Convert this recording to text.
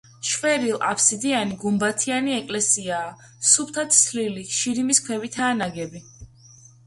შვერილ აფსიდიანი გუმბათიანი ეკლესია სუფთად თლილი შირიმის ქვებითაა ნაგები.